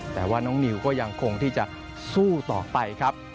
แต่ว่าน้องนิวก็ยังคงที่จะสู้ต่อไปครับ